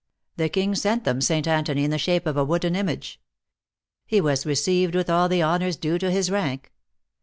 The king sent them St. Antony, in the shape of a wooden image. lie was received with all the honors due to his rank.